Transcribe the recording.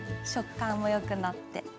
食感もよくなって。